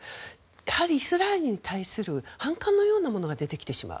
やはりイスラエルに対する反感のようなものが出てきてしまう。